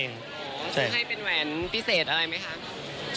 ช่วยให้เป็นแหวนพิเศษอะไรไหมคะ